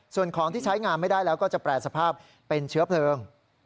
ส่วนของที่ใช้งานไม่ได้แล้วก็จะแปรสภาพเป็นเชื้อเพลิง